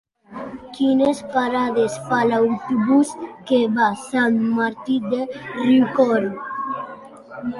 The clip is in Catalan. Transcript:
Quines parades fa l'autobús que va a Sant Martí de Riucorb?